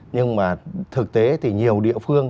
nhưng mà thực tế thì nhiều địa phương